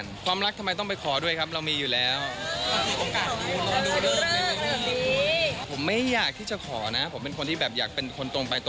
จริงครับไปวันพรุ่งนี้ครับ